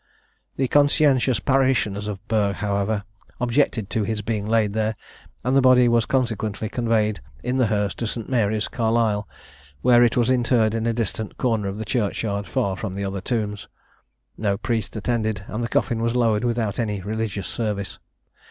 The conscientious parishioners of Burgh, however, objected to his being laid there, and the body was consequently conveyed in the hearse to St. Mary's, Carlisle, where it was interred in a distant corner of the churchyard, far from the other tombs. No priest attended, and the coffin was lowered without any religious service.